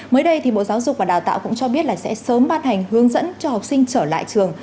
mới đây thì bộ giáo dục và đào tạo cũng cho biết là sẽ sớm ban hành hướng dẫn cho học sinh trở lại trường